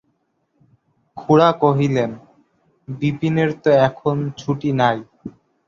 খুড়া কহিলেন, বিপিনের তো এখন ছুটি নাই।